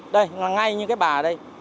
đây ngay như cái bà ở đây